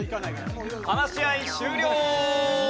話し合い終了！